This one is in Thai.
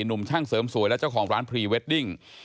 หนุ่มช่างเสริมสวยและเจ้าของร้านพรีเวดดิ้ง